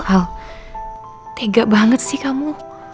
al tega banget sih kamu